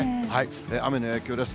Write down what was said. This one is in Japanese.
雨の影響です。